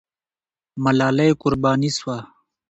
ملالۍ قرباني سوه.